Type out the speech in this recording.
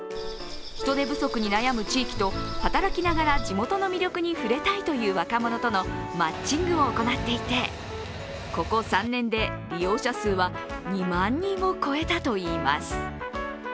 人手不足に悩む地域と働きながら地元の魅力に触れたいという若者とのマッチングを行っていて、ここ３年で利用者数は２万人を超えたといいます。